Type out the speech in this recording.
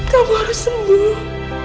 kamu harus sembuh